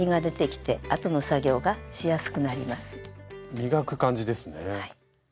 磨く感じですね。